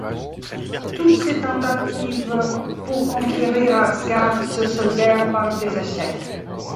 Toutes ses tentatives pour conquérir Asgard se soldèrent par des échecs.